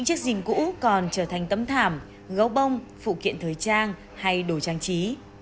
cái jean cũ còn trở thành tấm thảm gấu bông phụ kiện thời trang hay đồ trang trí